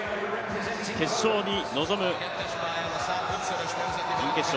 決勝に臨む準決勝